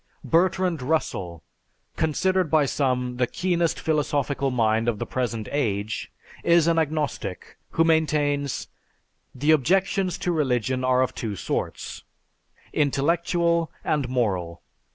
Bertrand Russell, considered by some the keenest philosophical mind of the present age, is an agnostic who maintains "The objections to religion are of two sorts, intellectual and moral.